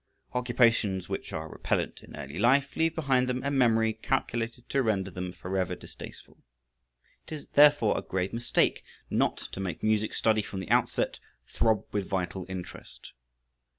Occupations which are repellent in early life leave behind them a memory calculated to render them forever distasteful. It is therefore a grave mistake not to make music study from the outset throb with vital interest.